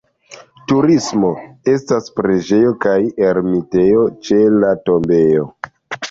Turismo: estas preĝejo kaj ermitejo ĉe la tombejo.